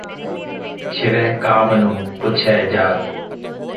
ਛਿਵੈ ਕਾਮੁ ਨ ਪੁਛੈ ਜਾਤਿ